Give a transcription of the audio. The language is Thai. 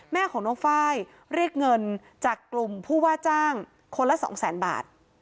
แม่ของน้องไฟล์เรียกเงินจากกลุ่มผู้ว่าจ้างคนละสองแสนบาท